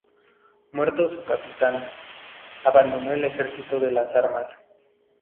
Muerto su capitán, abandonó el ejercicio de las armas.